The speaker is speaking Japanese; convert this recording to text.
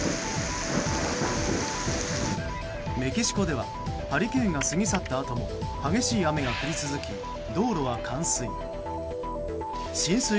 メキシコではハリケーンが過ぎ去ったあとも激しい雨が降り続き道路は冠水。